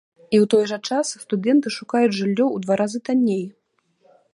І ў той жа час студэнты шукаюць жыллё ў два разы танней.